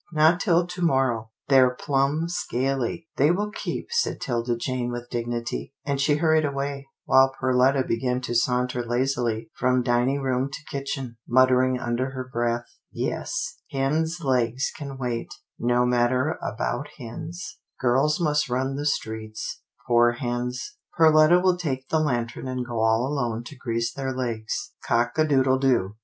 Not till to morrow." " They're plumb scaly." " They will keep," said 'Tilda Jane with dignity, and she hurried away, while Perletta began to saun ter lazily from dining room to kitchen, muttering under her breath, " Yes, hens' legs can wait — no matter about hens — girls must run the streets — poor hens — Perletta will take the lantern and go all alone to grease their legs — cock a doodle doo